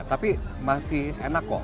tapi masih enak kok